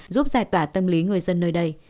giúp giải tỏa tâm lý người dân nơi đây